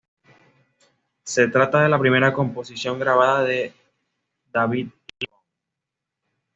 Se trata de la primera composición grabada de David Lebón.